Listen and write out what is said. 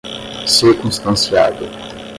circunstanciado